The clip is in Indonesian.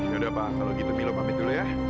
yaudah pak kalau gitu milo pamit dulu ya